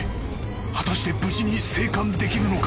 果たして無事に生還できるのか⁉］